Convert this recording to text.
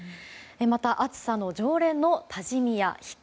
また暑さの常連の多治見や日田